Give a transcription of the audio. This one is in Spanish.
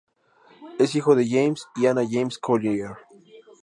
Es hijo de James y Anne James-Collier.